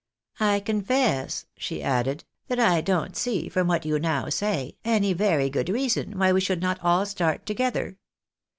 I confess," she added, " that I don't see, from what you now say, any very good reason why we should not all start together.